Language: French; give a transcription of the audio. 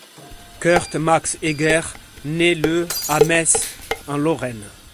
Kurt Max Eger naît le à Metz en Lorraine.